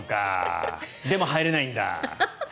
でも入れないんだ。